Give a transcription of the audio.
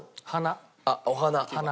あっお花。